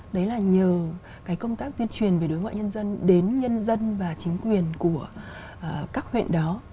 đấy là nhờ cái công tác tuyên truyền về đối ngoại nhân dân đến nhân dân và chính quyền của các huyện đó